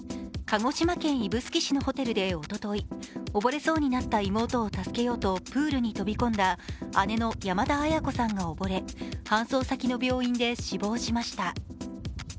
鹿児島県指宿市のホテルでおととい、溺れそうになった妹を助けようとプールに飛び込んだ姉の山田絢子さんが溺れ搬送先の病院で死亡しました。